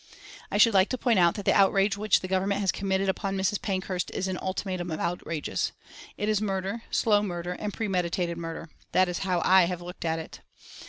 "I should like to point out that the outrage which the Government has committed upon Mrs. Pankhurst is an ultimatum of outrages. It is murder, slow murder, and premeditated murder. That is how I have looked at it....